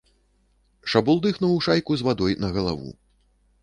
Шабулдыхнуў шайку з вадою на галаву.